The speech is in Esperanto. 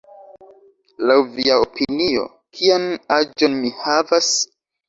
Laŭ via opinio, kian aĝon mi havas?